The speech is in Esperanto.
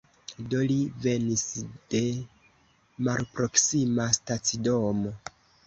Do li venis de malproksima stacidomo.